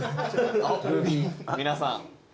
皆さん。